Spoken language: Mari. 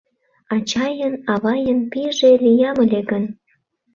Ачайын-авайын пийже лиям ыле гын